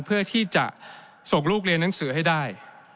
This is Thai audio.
เพื่อที่จะส่งลูกเรียนหนังสือให้ได้